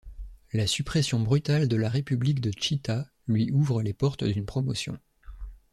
La suppression brutale de la république de Tchita lui ouvre les portes d'une promotion.